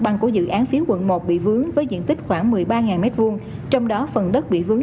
bằng của dự án phía quận một bị vướng với diện tích khoảng một mươi ba m hai trong đó phần đất bị vướng